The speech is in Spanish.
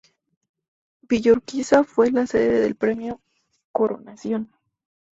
Villa Urquiza fue la sede del premio Coronación.